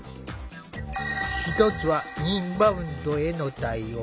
１つはインバウンドへの対応。